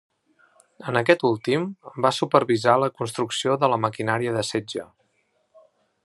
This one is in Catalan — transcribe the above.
En aquest últim, va supervisar la construcció de la maquinària de setge.